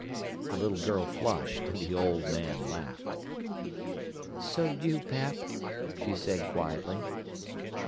The little girl flushed and the old man laughed. "So'd you, pap," she said quietly.